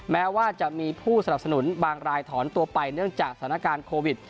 แม้ว่าจะมีผู้สนับสนุนบางรายถอนตัวไปเนื่องจากสถานการณ์โควิด